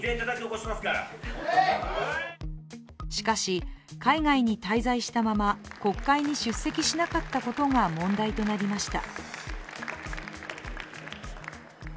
しかし、海外に滞在したまま国会に出席しなかったことが問題となりました